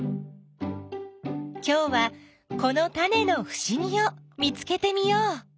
きょうはこのタネのふしぎを見つけてみよう。